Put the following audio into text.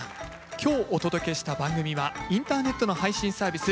今日お届けした番組はインターネットの配信サービス